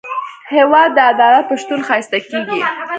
هېواد د عدالت په شتون ښایسته کېږي.